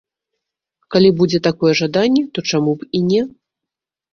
Калі будзе такое жаданне, то чаму б і не.